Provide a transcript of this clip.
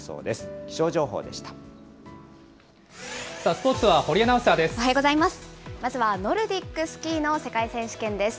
スポーツは堀アナウンサーです。